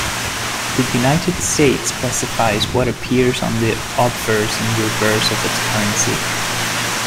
The United States specifies what appears on the obverse and reverse of its currency.